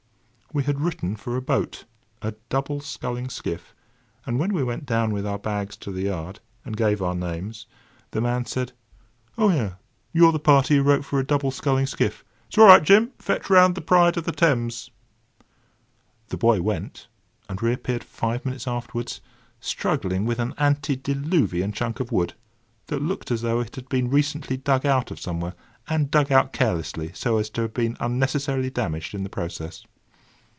We had written for a boat—a double sculling skiff; and when we went down with our bags to the yard, and gave our names, the man said: [Picture: The Pride of the Thames] "Oh, yes; you're the party that wrote for a double sculling skiff. It's all right. Jim, fetch round The Pride of the Thames." The boy went, and re appeared five minutes afterwards, struggling with an antediluvian chunk of wood, that looked as though it had been recently dug out of somewhere, and dug out carelessly, so as to have been unnecessarily damaged in the process.